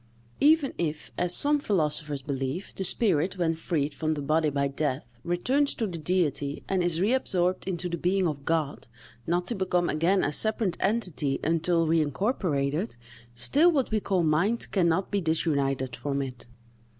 Even if, as some philosophers believe, the spirit, when freed from the body by death, returns to the Deity and is reabsorbed in the being of God, not to become again a separate entity until reincorporated, still what we call mind can not be disunited from it.